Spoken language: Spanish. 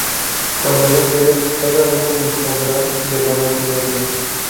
Cuando no queden, cada uno dispondrá de la última vida.